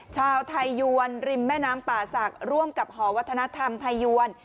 ชาวไทยยวนริมแม่น้ำป่าศักดิ์ร่วมกับหอวัฒนธรรมไทยยวน